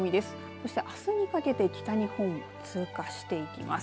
そしてあすにかけて北日本を通過していきます。